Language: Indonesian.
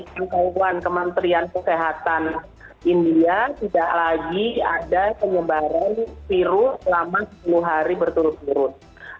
kawan kementerian kesehatan india tidak lagi ada penyebaran virus selama sepuluh hari berturut turut